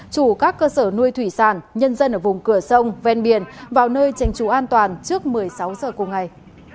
chủ các cơ sở nuôi thủy sản nhân dân ở vùng cửa sông ven biển vào nơi tranh trú an toàn trước một mươi sáu giờ cùng ngày